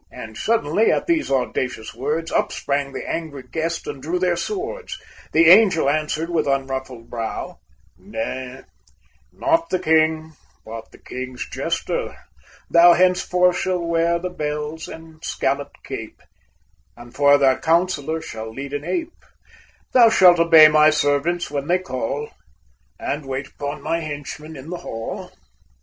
And suddenly, at these audacious words, Up sprang the angry guests and drew their swords! The Angel answered with unruffled brow, "Nay, not the king, but the king's Jester, thou Henceforth shalt wear the bells and scalloped cape, And for thy counselor shalt lead an ape; Thou shalt obey my servants when they call, And wait upon my henchmen in the hall!"